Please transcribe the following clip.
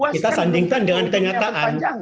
kita sandingkan dengan kenyataan